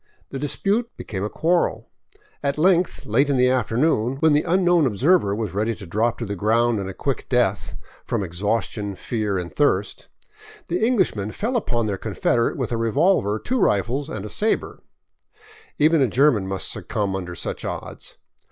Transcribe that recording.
The dispute became a quarrel. At length, late in the after noon, when the unknown observer was ready to drop to the ground and a quick death, from exhaustion, fear, and thirst, the Englishmen fell upon their confederate with a revolver, two rifles, and a sabre. Even a German must succumb under such odds.